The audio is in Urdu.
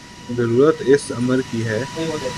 ضرورت اس امر کی ہے